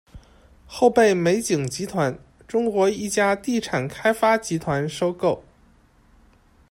后被美景集团，中国一家地产开发集团收购。